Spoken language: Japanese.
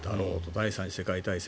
第３次世界大戦。